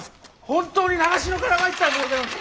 本当に長篠から参ったんでございます。